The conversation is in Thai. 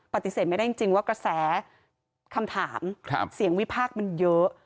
ปฏิเสธไม่ได้จริงว่ากระแสคำถามเสียงวิพากษ์มันเยอะ